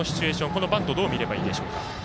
このバントどう見ればいいでしょうか。